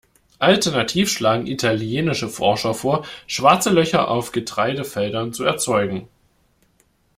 Alternativ schlagen italienische Forscher vor, Schwarze Löcher auf Getreidefeldern zu erzeugen.